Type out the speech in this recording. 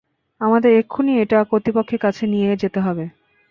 আমাদেরকে এক্ষুনি এটা কর্তৃপক্ষের কাছে নিয়ে যেতে হবে।